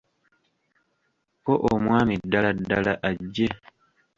Ko omwami Ddala ddala ajje.